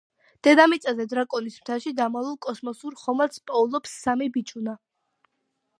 დედამიწაზე, დრაკონის მთაში დამალულ კოსმოსურ ხომალდს პოულობს სამი ბიჭუნა.